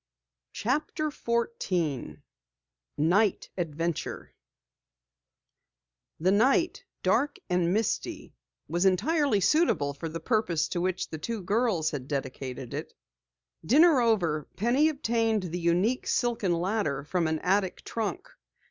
CHAPTER 14 NIGHT ADVENTURE The night, dark and misty, was entirely suitable for the purpose to which the two girls had dedicated it. Dinner over, Penny obtained the unique silken ladder from an attic trunk.